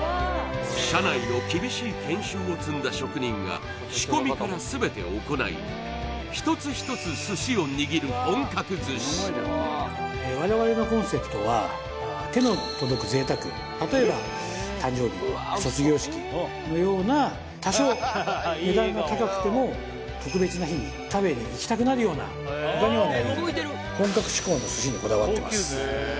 社内の厳しい研修を積んだ職人が仕込みから全てを行い一つ一つ寿司を握る本格寿司我々の例えば誕生日卒業式のような多少値段が高くても特別な日に食べに行きたくなるような他にはない本格志向の寿司にこだわってます